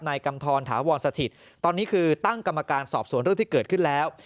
กำธรถาวรสถิตตอนนี้คือตั้งกรรมการสอบสวนเรื่องที่เกิดขึ้นแล้ว